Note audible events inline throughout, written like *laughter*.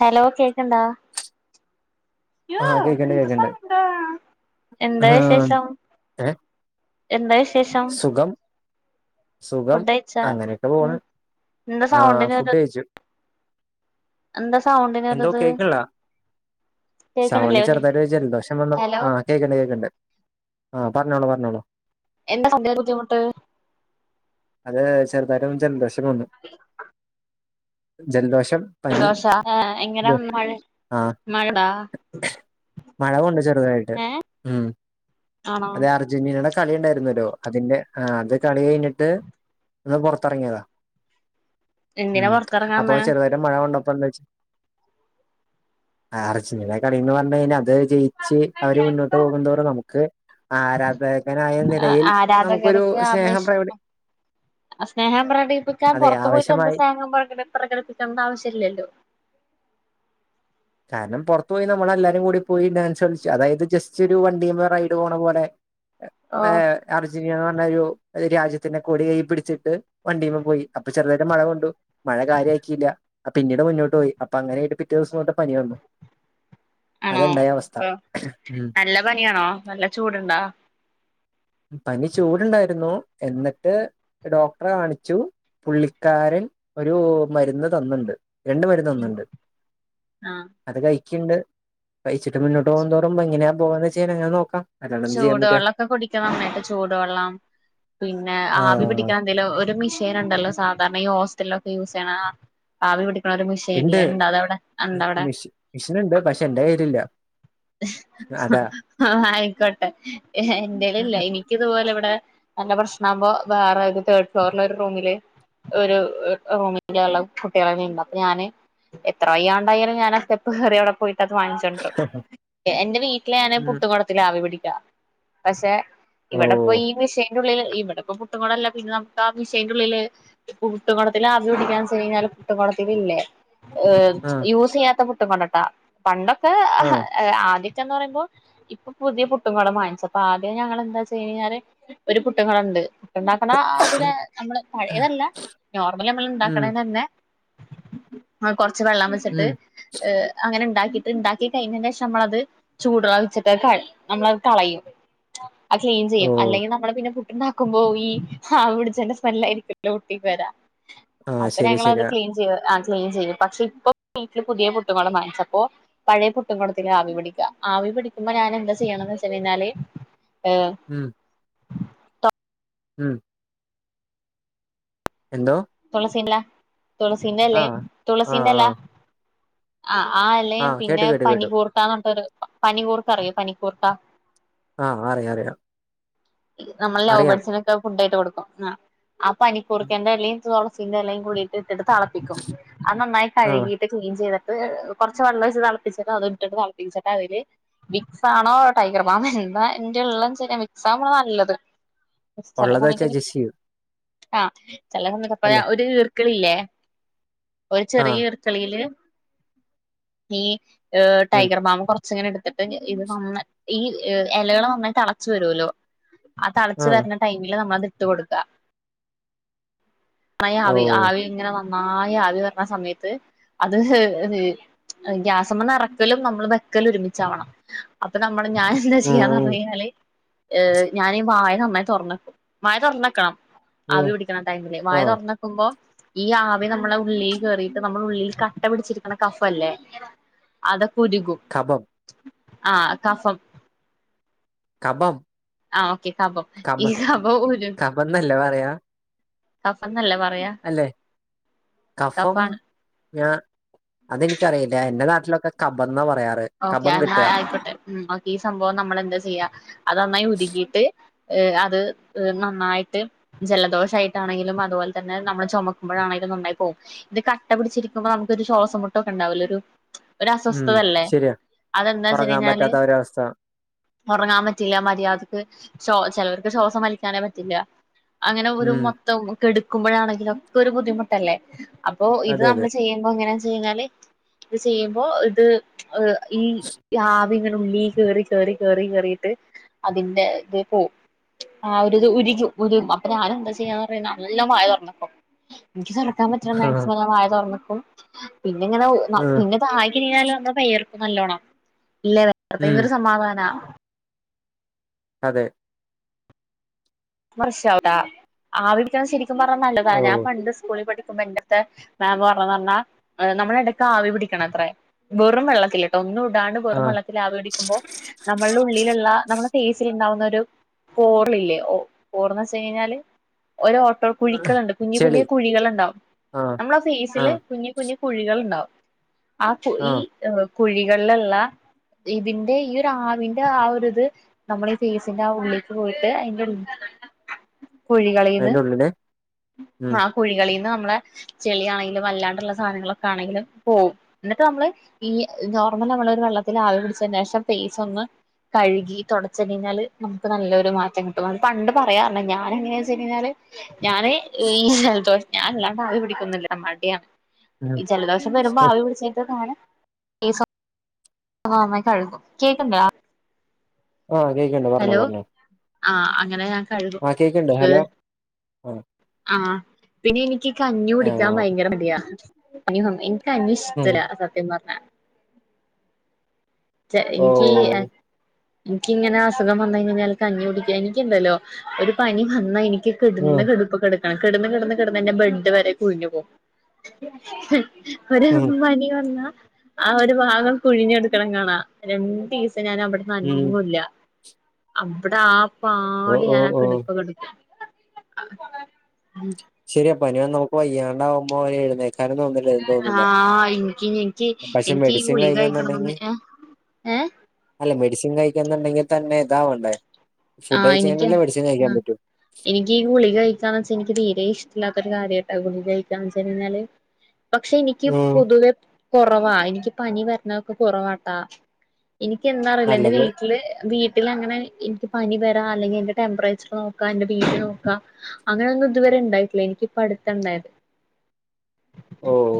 Hello കേക്കണ്ടാ ആഹ് കേക്കണ്ട് കേക്കണ്ട് എന്താ ആഹ് വിശേഷം ഏ എന്താ വിശേഷം സുഖം സുഖം ഫുഡ് കഴിച്ചാ അങ്ങനെയൊക്കെ ഉം പോണ് എന്താ ആ സൗണ്ടിനൊരു ഫുഡ് കഴിച്ചു എന്താ എന്തോ സൗണ്ടിനൊരിത് കേക്ക്ണില്ല സൗണ്ട് കേൾക്കണില്ലേ ഒരു ചെറുതരു ജല ദോഷം വന്നണം ഹലോ ആഹ് കേൾക്ക്ണ്ട് കേക്ക്ണ്ട് ആഹ പറഞ്ഞോളു പറഞ്ഞോളൂ എന്താ സന്തദേഹം ബുദ്ധിമുട്ട് അത് ചെറുതട്ട ചലദേഷം വന്ന് ജലദോഷം പനി ജലദോഷ ഏഹ് എങ്ങനെ മഴ ആ മഴണ്ടാ മഴ കൊണ്ട് ചെറുതായിട്ട് ഏഹ് മ് ആണോ അതെ അർജന്റീന കളി ഉണ്ടായിരുന്നു ലോ അതിന്റെ ആ അത് കളി കഴിഞ്ഞിട്ട് ഒന്ന് പുറത്തിറങ്ങിയതാ എന്തിനാ ഉം അപ്പൊ പൊറത്തിറങ്ങാന്ന് ചെറുതായിട്ട് മഴ കൊണ്ട് അർജഡിനാ കളി എന്ന് പറഞ്ഞു കഴിഞ്ഞാൽ അത് ജയിച്ച് അവര് മുന്നോട്ട് പോകുതോറും നമ്മുക്ക് ആരാധകനായ നിലയിൽ നമുക്കൊരു ആരാധകർക്ക് സ്നേഹം ആവേശം പ്രകടി സ്നേഹം പ്രകടിപ്പിക്കാൻ അതെ പുറത്തു പോയിട്ട് എന്ത് ആവശ്യമായി സ്നേഹം പ്രകടി പ്രകടിപ്പിക്കണം ആവശ്യ ഇല്ലല്ലോ കാരണം പുറത്തു പോയി നമ്മളെല്ലാരും കൂടി പോയി ഡാൻസ് കളിച്ചു അതായത് ജസ്റ്റ് ഒരു വണ്ടിയുമ്പോ റൈഡ് പോണ പോലെ ഏ ഓഹ് അർജന്റീന പറഞ്ഞ ഒരു ഒരു രാജ്യത്തിനെ കൊടി കൈ പിടിച്ചിട്ട് വണ്ടിമ്മ പോയി അപ്പൊ ചെറുതായിട്ട് മഴ കൊണ്ടു മഴ കാര്യ ആക്കിയില്ല അപ്പ പിന്നീട് മുന്നോട്ട് പോയി അപ്പൊ അങ്ങനെയ ആയിട്ട് പിറ്റേ ദിവസംട്ട് ആണോ അവസ്ഥ ഇപ്പൊ ഉം നല്ല പനിയാണോ നല്ല ചൂടുണ്ടോ പനി ചൂടുണ്ടായിരുന്നു എന്നിട്ട് ഡോക്ടറെ കാണിച്ചു പുള്ളിക്കാരൻ ഒരു മരുന്ന് തന്നിണ്ട് രണ്ട് മരന്ന് തന്നുണ്ട് ആഹ് അത് കഴി ണ്ട് കഴിച്ചിട്ട് മുന്നോട്ട് പോകുതോറും എങ്ങനെയാ പോകന്ന് വ ചെയ്യാ നോക്കാം അല്ലാണ്ട് എന്ത് ചെയ്യാൻ ചൂട് പറ്റാ വെള്ളൊക്കെ കുടിക്കുന്ന ചൂട് വെള്ളം പിന്നെ ആ ആവി പിടിക്കാൻ എന്തെല ഒരു മിഷൻ ണ്ടല്ലോ സാധാരണ ഈ ഹോസ്പിറ്റലിലൊക്കെ യൂസ് ചെയ്യ ആ ഇണ്ട് മിഷി മിഷിനുണ്ട് പക്ഷെ എന്റെ കയില്ലില ആയിക്കോട്ടെ ട്ടേ എന്റെലില്ല എനിക്കിത് പോലെ ഇവിടെ നല്ല പ്രശ്നമാകുമ്പോ വേറെത് തേർഡ് ഫ്ലോറില ഒരു റൂമില് റൂമിലള്ള കുട്ടികളെണ്ട് അപ്പൊ ഞാന് എത്ര വയ്യണ്ടായാലും ഞാൻ ആ സ്റ്റെപ്പ് കയറി അവിടെ പോയി ട്ടത് വാങ്ങിച്ചൊണ്ട്രും. എന്റെ വീട്ടിലെ ഞാനത് ഉം പുട്ട്ങ്കൊടത്തിലാ ആവി പിടിക്കാ പഷേ ഓ ഇവടെ പ്പോ ഈ മിഷേ ന്റെ ഉള്ളില് ഇവടെപ്പൊ പുട്ടുങ്കൊടല്ല പിന്നെ നമ്മക്കാ മിഷേന്റെള്ളില് ഇപ്പ പുട്ടുങ്കൊടത്തില് ആവി പിടിക്കാചെയ്ഞ്ഞാല് പുട്ടുങ്കൊടത്തിലില്ലേ ആ യൂസീയാത്ത പു ട്ട്ങ്കോടട്ടാ പണ്ടൊക് ആ ആദ്യത്തെന്ന് പറയുമ്പോ ഇപ്പൊ പുതിയ പുട്ടും കൂടെ വാങ്ങിച്ചു അപ്പൊ ആദ്യം ഞങ്ങ എന്താ വച്ച കഴിഞ്ഞാല് ഒരു പുട്ടും കൂടെ ഉണ്ട് ഉണ്ടാക്കണ അതില് നമ്മള് പഴേതല്ല നോർമലി നമ്മള് ഉം ണ്ടാക്കണന്നെ അ കൊറച്ച് വെള്ളം വെച്ച്ട്ട് ഉം അങ്ങനെ *unintelligible* ട്ട് ണ്ടാക്കികൈഞ്ഞ് നമ്മളത് ചൂടു വെച്ച്ട്ട് നമ്മളത് കളയും അത് ക്ലീൻ ഓ ചെയ്യും അല്ലെങ്കി നമ്മള് പിന്നെ ണ്ടാക്കുമ്പോയി ആവിപിടിചേന്റെ സ്മെല്ലായിരിക്കല്ലോ ഒട്ടി പോരാ ആ ശരി അപ്പഞങ്ങളത് ശരിയാ ക്ലീൻ ചെയ്യായിര്ന്നു. ക്ലീൻ ചെയ്യും പക്ഷെ ഇപ്പൊ വീട്ടില് പുതിയ പുട്ടുങ്കൊടം വങ്ങിച്ചപ്പോ പഴേ പുട്ടു ആവി പിടിക്കാ. ആവി പിടിക്കുമ്പോ ഞാന് എന്താ ചെയ്യണേന്ന് വെച്ച് കഴിഞ്ഞാല് ഏ മ് എന്തോ തോളസിന്റല ആ തൊളസീന്റെലേം ആ ആ തുളസീന്റെല. ആഹ് ആ എലേം കേട്ടു പിന്നെ കേട്ടു കേട്ടു പനികൂർത്താ എന്ന്ട്ടൊരു പനികൂർക്ക അറിയോ പനിക്കൂർത്ത ആഹ് അറിയ അറിയ നമ്മള് ലൗബേർഡ്സിനൊക്കെ ഫുഡ്ഡ് കൊട്ക്കും ആഹ് ആ പനി കൂർക്കന്റെലീം തൊള ചിന്തല്ലയും കൂടീട്ട് ന്ന്ട്ട് തളപ്പിക്കും അത് നന്നായിട്ട ആ കഴുകിയിട്ട് ക്ലീൻ ചെയ്ത കുറച്ച് വെള്ളം ഒഴിച്ച് തിളപ്പിച്ചിട്ട് അത് ഇട്ടിട്ട് തിളപ്പിച്ചിട്ട അതില് വിക്സാണോ ടൈഗർ ബാം എന്താ എന്റെള്ളംക് അമാ നല്ലത് ഒള്ളത് വെച്ച് സമയത്ത് വിക്സ് അഡ്ജസ്റ്റിയ്യും ആ ചെലവ്ന്നക്കെ എപ്പഴാ ഒര് ക്കളില്ലേ ഒരു ആഹ് ചെറിയ ഈർക്കിളിയില് നീയ് ഈഹ് ശരി ടൈഗർ ബാം കൊർ ച്ചിങ്ങനെടുത്തിട്ട് ഇത് നന്ന ഈ എലകള് നന്നായി തെളച്ചു വരുവല്ലോ *inaudible* ആ തളച്ചു ആഹ് വരുന്ന ടൈമില് നമ്മളത് ഇട്ട് കൊടക്കാ മയ ഓ ആവി ആവിങ്ങനെ വന്ന് നന്നായി ആവി വരണ സമയത്ത് അത് ഗ്യാസമ്മന്നറക്കലും നമ്മള് വെക്കലും ഒരുമിച്ചാവണം. അപ്പൊ നമ്മ അപ്പ ഞാനെന്താ ചെയ്യാന്ന് പറഞ്ഞ് ഉം കയിഞ്ഞാല് ഈഹ് ഞാനീ വായ നന്നായി തുറന്നക്കും വായ തുറന്നെക്കണം ഉം ആവി പിടിക്കണ ടൈമല്ലേ വായ ആഹ് തുറന്നക്കുമ്പോ ഈ ആവി നമ്മളെ ഉള്ളില് കേറിട്ട് നമ്മളെ ഉള്ളില് കട്ട പിടിച്ചിരിക്കിണ കഫല്ലേ? അതൊക് ഉരുകും കബം ആ കഫം കഭം ആ ഓക്കെ കഭം ഈ കഭം ഉരു കബന്നല്ലേ പറയാ കഫം ന്നല്ലേ പറയാ. അല്ലെ കഫം കഫാണ് ഞാ അതെനിക്കറിയില്ല. എന്റെ നാട്ടിലൊക്കെ കഭംന്നാ പറ ഓക്കെ എന്ന ആയിക്കോട്ടെ ഉം ഓക്കെ. ഈ സംഭവം നമ്മൾ എന്താ ചെയ്യാ? അതന്നായി ഉരുകീട്ട് ഈഹ് അത് നന്നായിട്ട് ജലദോഷായിട്ടാണെങ്കിലും അതുപോലെ തന്നെ നമ്മള് ചൊമക്കുമ്പോഴാണെങ്കിലും നന്നായി പോകും. ഇത് കട്ട പിടിച്ചിരിക്കുമ്പോ നമുക്കൊരു ശ്വാസം മുട്ടൊക്കെ ഉണ്ടാവുലൊരു ഒരു ഉം അസ്വസ്ഥതല്ലേ ശരിയാ ഉറങ്ങാൻ അതെന്താച്ചയ്ഞ്ഞാല് പറ്റാത്ത ഒരവസ്ഥ ഉറങ്ങാപറ്റില്ല മര്യാദക്ക്‌ ചൊ ചെലർക്ക് ശ്വാസം വലിക്കാനേ പറ്റില്ല അങ്ങനെ ഒരു ഉം മൊത്തം എടുക്കുമ്പോഴാണെങ്കിലും ഒക്കെ ഒരു ബുദ്ധിമുട്ടല്ലേ? അപ്പൊ ഇത് അതെ അതെ നമ്മള് ചെയ്യുമ്പോ ഇങ്ങനെ ചെയ്താല് ഇതു ചെയ്യുമ്പോ ഇത് ഈഹ് ഈ ആ ഇങ്ങനെ ഉള്ളി കേറി കേറി കേറി കേറിട്ട് അതിന്റെ ഇത് പോവും. ആ ഒരു ഇത് ഉരുകും. ഉരു അപ്പൊ ഞാൻ എന്താ ചെയ്യാന്ന് പറയ നല്ല മഴ തുറന്നപ്പം ഇൻകി *unintelligible* ഞാൻ പറ്റ്ണ ആഹ് മാക്സിമം ഞാൻ വായ തൊറന്ന് പ്പം പിന്നെ ഇങ്ങനെ ആഹ് പിന്നെത് ആയിക്കഴിഞാലോ *unintelligible* നല്ലോണം ഇല്ലേ പ്രത്യേക ഉം ഒര് സമാധാനാ അതെ വർഷ അവ്ടാ ആവിപിടിച്ചാൽ ശരി ക്കും പറഞ്ഞാ നല്ലതാ ഓ ഞാൻ പണ്ട് സ്കൂളിൽ പഠി ക്കുമ്പം എൻ്റട്ത്ത് മാം പറഞ്ഞുന്ന് പറഞ്ഞാൽ നമ്മള് ഇടക്ക് ആവി പിടിക്കണത്രേ. വെറും വെള്ളത്തില് ട്ടോ ഒന്നും ഇടാണ്ട് ആഹ് വെറുവെള്ളത്തിൽ ആവി പിടിക്കുമ്പോൾ നമ്മളുടെ ഉള്ളിലുള്ള നമ്മ പി സി ഉണ്ടാവുന്ന ഒരു ഹോർല് ഇല്ലേ. ഒ ഹോർ ന്ന് വെച്ചഴിഞ്ഞാല് ഓരോ ഓട്ടോ കുഴിക്കൾണ്ട്. കുഞ്ഞി കുഞ്ഞി ചെളി കുഴികളുണ്ടാവും. ആഹ് നമ്മടെ ആ ഫേസില് ആഹ് കുഞ്ഞു കുഞ്ഞു കുഴികൾ ഉണ്ടാവും. ആ കുയി ആഹ് ഏർ കുഴികളില്ള്ള ഇതിൻ്റെ ഈ ഒരാവിൻ്റ ആ ഒരിത് നമ്മളീ ഫേസ് ൻ്റെ ആ ഉള്ളിൽക്ക് പോയിട്ട് അയിൻ്റെ *unintelligible* കുഴികളിന്ന് അയിന്റെ ഉള്ളില് ഉം ആ കുഴികളിന്ന് ന മ്മളെ ചെളിയാണെങ്കിലും അല്ലാണ്ടുള്ള സാനങ്ങളൊക്കെ ആണെങ്കിലും പോവും. ഇന്നട്ട് നമ്മള് ഈ നോർമൽ ഒരു വെള്ളത്തിൽ ആവി പിടിച്ചതിന് ശേഷം ഫെയ്സ് ഒന്ന് കഴുകി തുടച്ച് കഴിഞ്ഞാല് നമുക്ക് നല്ലൊരു മാറ്റം കിട്ടും. അത് പണ്ടു പറയാ പറഞ്ഞ്. ഞാൻ എങ്ങനയാ വെച്ചയിഞ്ഞാല് ഞാന് ഈ ജൽദോ ഞാൻ അല്ലാണ്ട് ആവി പിടിക്കൊന്നില്ല മടിയ. ഉം ഈ ജലദോഷം വരുമ്പ ആവി പിടിച്ചയിൻ്റെതാണ് ഈ സൗ നന്നായി കഴുകും. കേക്ണ്ടോ ആ കേക്ക്ണ്ട് പറഞ്ഞോളു പറഞ്ഞോ. ആ അങ്ങനെ ഞാൻ കഴുകും ആ കേക്ണ്ട്. ഹലോ? ആ. ആ പിന്നെ എനിക്ക് കഞ്ഞി കുടിക്കാൻ ഭയങ്കര മടിയാ. *unintelligible* കഞ്ഞി ഉം ഇഷ്ട്ടല്ല സത്യം പറഞ്ഞാ ചെ ഇൻക്കീ ഓ ഇൻക്കിങ്ങനെ അസുഖം വന്ന് കഴിഞ്ഞാൽ കഞ്ഞി കുടിക്കാന് എനിക്കുണ്ടല്ലോ ഒരു പനി വന്ന എനി കിടന്ന ഉം കെടപ്പിൽ കെട ആഹ് കിടന്ന് കിടന്ന് കിടന്ന്ന്നെ ബെഡ് വരെ കുഴിഞ്ഞു പോ ഒരു ഉം പനി വന്നാ ആ ഒരു ഭാഗം കുഴിഞ്ഞ കെടക്കണ കാണാം രണ്ടീസ് ഞാൻ അവിടുന്ന് ഉം അനങ്ങൂല്ല അവിടാ ആ ഓ പാട് ഓ ഞാൻ ആ ഓ കെടപ്പ് കെടക്കും ഉം ശരിയപ്പാ ഇനിപ്പ നമുക്ക് വയ്യാണ്ടാവകുമ്പോ എഴുന്നേ ആഹ് എനിക്ക് എനിക്ക് പക്ഷെ എനിക്കീ മെഡിസിൻ ഗുളിക കഴിക്കാന്നുണ്ടെങ്കി കഴിക്കണമെന്നൊന്നും ഏഹ് *unintelligible* കഴിക്കണന്നുണ്ടെങ്കിൽ തന്നെ ഇതാവണ്ടേ ഫുഡ് ആഹ് കഴിച്ച് എനിക്ക് കഴിഞ്ഞല്ലേ മെഡിസിൻ ആ കഴിക്കാൻ പറ്റൂ എനിക്ക് ഈ ഗുളിക കഴിക്കാന്ന് വെച്ചാ എനിക്ക് തീരെ ഇഷ്ടമല്ലാത്തൊരു കാര്യായിട്ടാ ഗുളിക കഴിക്കാന്നു വെച്ച് കഴിഞ്ഞാലു പക്ഷെ എനിക്ക് ഉം. പൊതുവെ കുറവാ എനിക്ക് പനി വരണതൊക്കെ കുറവാട്ടാ എനിക്ക് എന്താന്ന് അറിയില്ല എന്റെ നല്ലത് വീട്ടില് വീ പിന്നെ അങ്ങനെ *unintelligible* പനി വരാ അല്ലെങ്കിൽ എന്റെ ടെംമ്പറേച്ചർ നോക്കാ എന്റെ ബി പി നോക്കാ അങ്ങനെ ഒന്നും ഇതുവരെ ഇണ്ടായിട്ടില്ല എനിക്ക്പ്പ അടുത്ത ഉണ്ടായത് ഓ ഓ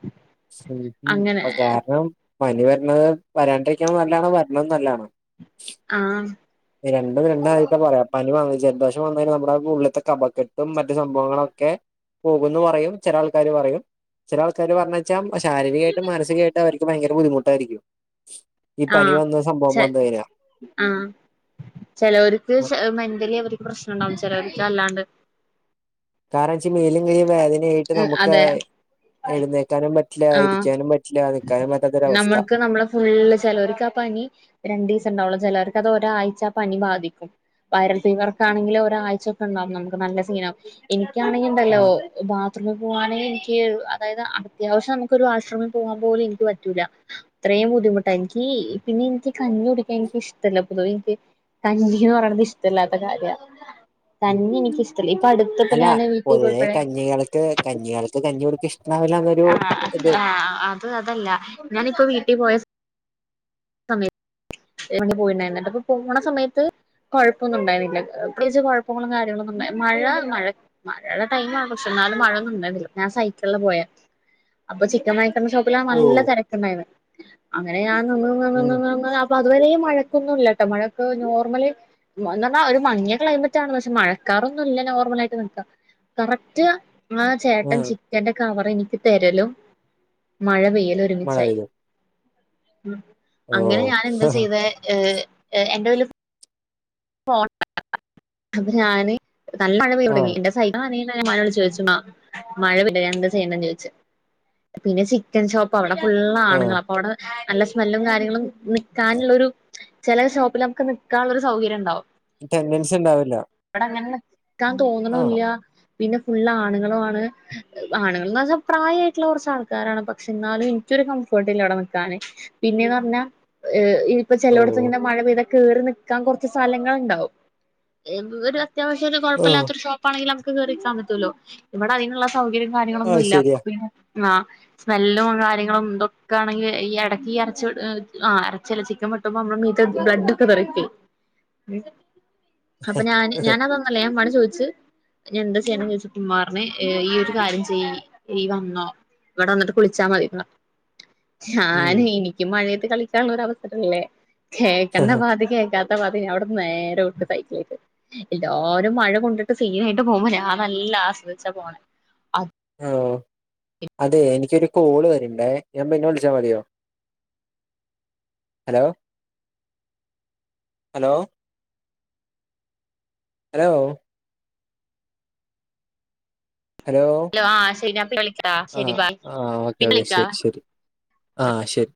*unintelligible* അങ്ങനെ ഉപകാരം പനി വരണത് വരാണ്ടിരിക്കനേം നല്ലതണ് വരണ നല്ലതണ് ആഹ് രണ്ടും രണ്ട് ആയിപ്പോ പറയാ പനി *unintelligible* ജലദോഷം വന്നാൽ നമ്മുടെ ഉള്ളിലത്തെ കഫക്കെട്ടും മറ്റു സംഭവങ്ങളൊക്കെ പോകുന്ന് പറയും ചില ആൾക്കാാര് പറയും ചില ആൾക്കാര് പറഞ്ഞു വച്ചാൽ ശാരീരിമായിട്ടും മാനസികമായിട്ടും അവർക്ക് ഭയങ്കര ബുദ്ധിമുട്ടായിരിക്കും ഈ പനി ആഹ് വന്ന സംഭവം വന്നു കഴിഞ്ഞാ ചിലവർക്ക് മെന്റലി അവർക്ക് പ്രശ്നംണ്ടാവും ചില അല്ലാണ്ട് കാരണച്ചാ മേലും കയ്യും വേദനയായിട്ട് ഉം നമുക്ക് അതെ എഴുന്നേക്കാനും പ ആഹ് നമ്മൾക്ക് നമ്മള് ഫുള്ള് ചെലോൽക്കാ പനി രണ്ട്സംണ്ടാവോള്ളു ചെലോര്ക്ക് അത് ഒരാഴ്ച്ച ആ പനി ബാധിക്കും വൈറെൽ ഫീവറൊക്കെ ആണെങ്കിലിൽ ഒരാഴ്ചൊക്കെ ഇണ്ടാവും നമുക്ക് നല്ല സീന് ആവും ഇൻ ക്കാണെങ്കി ഇണ്ടെല്ലോ ഉം ബാത്റൂമ് പോവാനെ ക്ക് അതായെത് അ അത്യാവശ്യം നമുക്കൊരു വാഷ്റൂമിൽ പോവാൻ പോലും ഇൻക്ക് പറ്റൂലാ അത്രെയും ബുദ്ധിമുട്ടാണ് എൻക്കീ പിന്നെ ഇൻക്ക് കഞ്ഞി കുടിക്കാൻ ഇൻക്ക് ഇഷ്ട ഇല്ല പൊതുവെ ഇൻക്ക് കഞ്ഞിന്ന് പറിണെത് ഇഷ്ട ഇല്ലാത്ത കാര്യാ അല്ല ഞാന് വീട്ടിൽ പൊതുവെ പോയപ്പോഴേ കഞ്ഞികൾക്ക് കഞ്ഞികൾക്ക് കഞ്ഞി കുടിക്കാ ഇഷ്ടം ഇണ്ടാവ്‌ലാ ആഹ് ആഹ് അത് അത് അല്ലാ ഞാനിപ്പോ വീട്ടി പോയ സ സമയെ എറെങ്ങി പോയിണ്ടായിര്ന്നല്ലോ അപ്പ പോണ സമയെത്ത് കൊഴപ്പ ഒന്നും ഉണ്ടായിര്ന്നില്ല എഹ് പ്രേതേകിച്ച് കൊഴപ്പങ്ങെളും കാര്യങ്ങളൊന്നും ഇണ്ടാഴെ മഴ മഴ മഴെടെ ടൈമാണ് പക്ഷെ ഇന്നാലും മഴയൊന്നും ഇണ്ടായിര്ന്നില്ല ഞാൻ സൈക്കെൾലാ പോയെ അപ്പ ചിക്കൻ വാങ്ങി ക്കെന്റെ ഷോപ്പിലാ ഓ നല്ല തെരക്ക് ഇണ്ടായിര്ന്നെ അങ്ങനെയാ നിന്ന് നിന്ന് ഉം നിന്ന് നിന്ന് അ അപ്പ അതുവെരെ മഴക്കൊന്നും ഇല്ലട്ടോ മഴക്ക് നോർമെൽ ഉം ന്ന് പർണ ഒരു മങ്ങിയ ക്ലൈമറ്റാണ് പക്ഷെ മഴക്കാറൊന്നും ഇല്ല നോർമെൽ ആയിട്ട് നിക്കാ കറക്റ്റ് ആഹ് ചേട്ടെൻ ആഹ് ചിക്കെന്റെ കവെർ എനിക്ക് തെരലും മഴ പെയ്യ ലും മഴ ഒര്മിച്ചായി പെയ്തു അ ഓ അങ്ങനെ ഞാൻ എന്താ ചെയ്തെ ഏഹ് ഏഹ് എൻ്റെതില് പോണ്ട അപ്പൊ ഞാന് നല്ല മഴ പെയ്തൊടങ്ങി ആഹ് എന്റെ സൈക്കളാണേ മഴ *unintelligible* മഴ പെയ്യാ എന്താ ചെയ്യണ്ടേന്ന് ചോദിച്ചു പിന്നെ ചിക്കൻ ഷോപ്പ് അവടെ ഫുള്ള് ആഹ് ആണുങ്ങളാ അപ്പൊ അവിടെ നല്ല സ്മെല്ലും കാര്യങ്ങളും നിക്കാനുള്ളൊരു ചെല ഷോപ്പിലൊക്കെ നിക്കാനുള്ള ഒരു സൗകര്യം ഉണ്ട് ട്ടെന്റെൻസിണ്ടാവില്ല ക്കാൻ തോന്നുണൂല്ല പിന്നെ ഫുളള് ആണുങ്ങളും ആണ് ആണുങ്ങൾന്ന് പറഞ്ഞാൽ പ്രായമായിട്ടുള്ള കുറച്ച് ആൾക്കാരാണ് പക്ഷെ എന്നാലും എനിക്കൊരു കംഫേർട്ട് ഇല്ല അവിടെ നിക്കാന് പിന്നേന്ന് പറഞ്ഞാൽ ഏഹ് ഇപ്പ ഓ ചെലോട്ത്ത് ഇങ്ങനെ മഴ പെയ്ത കേറി നിക്കാൻ കൊറച്ച് സ്ഥലങ്ങൾ ഇണ്ടാവും ഇവ് ഇവര് അത്യാവശ്യം ഒരു ആഹ് കൊഴപ്പല്ലാത്തൊരു ഷോപ്പാണെങ്കില് നമ് യറിക്കാ പല്ലോ *unintelligible* ഇവിടെ അതിനുള്ള സൗകര്യം കാര്യങ്ങളൊന്നും ആഹ് ഇല്ല അപ്പൊ ശരിയാ പിന്നെ ആഹ് സ്മെല്ലും കാര്യങ്ങളും ഇതൊക്കെ ആണെങ്കിൽ ഈ ഇടയ്ക്ക് ഈ ഇറച്ചി വെട്ട് ഏ ആ ഇറച്ചി അല്ല ചിക്കൻ വെട്ടുമ്പോ നമ്മെടെ മീത്ത് ബ്ലഡ് ഒക്കെ തെറിക്കും ഉ *unintelligible* അപ്പൊ ഞാന് ഞാന് അതൊന്നുമല്ല ഞാൻ പണി ചോദിച്ച് ഞാൻ എന്താ ചെയ്യണം ചോദിച്ച അപ്പോ ഉമ്മാറഞ്ഞ് ഈ ഒരു കാര്യം ചെയ് ഈ വന്നോ ഇവിടെ വന്നിട്ട് കുളിച്ചാ മതി എന്നു പറഞ്ഞു ഉം ഞാൻ എനിക്കും മഴയത്ത് ഇത് കളിക്കാനുള്ള ഒരു അവസരല്ലേ കേക്കണ്ട പാതി കേക്കാത് പാതി ഇഅവിടുന്ന് നേരെ വിട്ട് സൈറ്റിലോട്ട് എല്ലാരും മഴ കൊണ്ടിട്ട് സീനായിട്ട് പോകുമ്പോ ഞാൻ നല്ല ആസ്വദിച്ച പോണെ അണ് പോണേ ആഹ് അതെ എനിക്കൊരു കോള് വരണ്ടേ ഞാൻ പിന്നെ വിളിച്ചാ മതിയോ ഹലോ ഹലോ ഹലോ ഹലോ ആ ശരിയാ ആഹ് ആ ഓക്കെ ഓക്കെ ശരി ശരി ആ ശരി